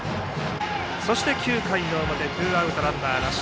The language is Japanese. そして９回の表ツーアウトランナーなし。